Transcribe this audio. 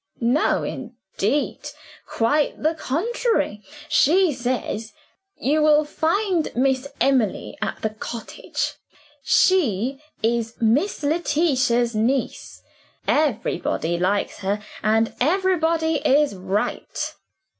"No, indeed quite the contrary. She says, 'You will find Miss Emily at the cottage. She is Miss Letitia's niece. Everybody likes her and everybody is right.